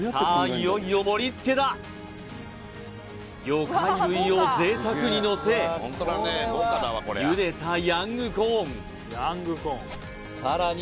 いよいよ盛りつけだ魚介類をぜいたくにのせ茹でたヤングコーンさらに